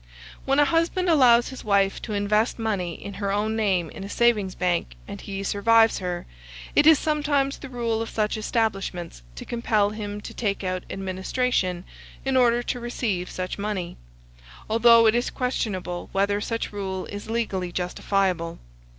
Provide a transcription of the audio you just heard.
When a husband allows his wife to invest money in her own name in a savings bank, and he survives her, it is sometimes the rule of such establishments to compel him to take out administration in order to receive such money, although it is questionable whether such rule is legally justifiable.